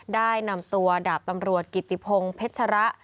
ได้นำตัวดาบตำรวจกิติพงศ์เพชระ